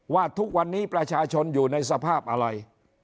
ว่าทุกวันนี้ประชาชนอยู่ในสภาพอะไร